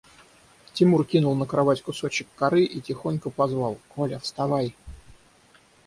Тимур кинул на кровать кусочек коры и тихонько позвал: – Коля, вставай!